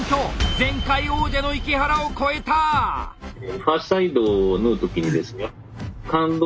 前回王者の池原を超えた！え？